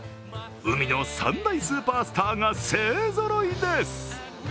海の三大スーパースターが勢ぞろいです。